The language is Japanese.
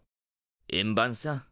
円盤さん。